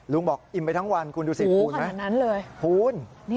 ลุงบอกอิ่มไปทั้งวันคุณดูสิภูนิษฐ์ภูนิษฐ์